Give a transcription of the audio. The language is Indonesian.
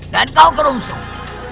dan kau gerungsung